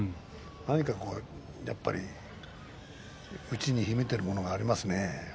何か内に秘めているものがありますね。